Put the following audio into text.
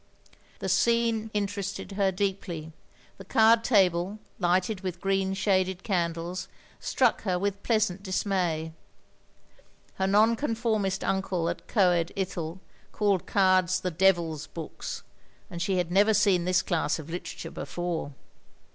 The scene interested her deeply: the card table, lighted with green shaded candles, struck her with pleasant dismay. Her Non conformist uncle at Coed Ithel called cards the devil's books; and she had never seen this class of literature before.